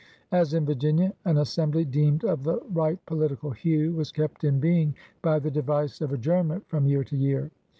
As in Virginia, an Assembly deemed of the right political hue was kept in being by the device of adjournment from year to year.